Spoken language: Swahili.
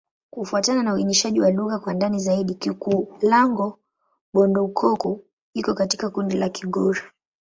Kufuatana na uainishaji wa lugha kwa ndani zaidi, Kikulango-Bondoukou iko katika kundi la Kigur.